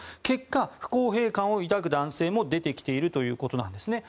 結果、不公平感を抱く男性も出てきているということです。